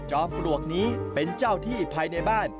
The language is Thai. ปลวกนี้เป็นเจ้าที่ภายในบ้าน